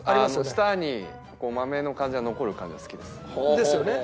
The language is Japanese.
舌に豆の感じが残る感じが好きです。ですよね？